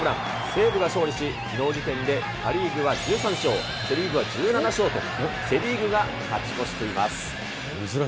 西武が勝利し、きのう時点でパ・リーグは１３勝、セ・リーグは１７勝と、セ・リーグが勝ち越しています。